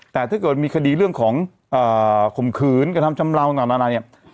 แต่ถ้าเกิดมีคดีเรื่องของข่มขืนกระทำชำเลาต่างนานาเนี่ย